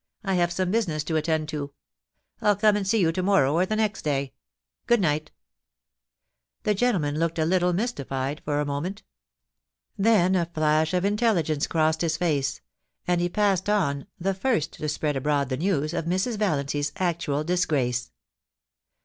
I have some business to attend to. I'll come and see you to morrow or the next day. Good night' The gentleman looked a little mystified for a moment \ then a flash of intelligence crossed his face, and he passed on, the first to spread abroad the news of Mrs. Vallanc/s actual disgrace.